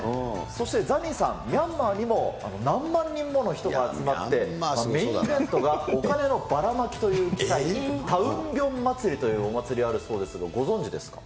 そして、ザニーさん、ミャンマーにも何万人もの人が集まって、メインイベントがお金のばらまきという奇祭、タウンビョン祭りというお祭りあるそうですが、ご存じですか？